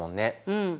うん。